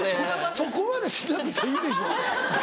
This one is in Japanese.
そこまでしなくていいでしょ。